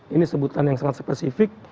ini sebutan yang sangat spesifik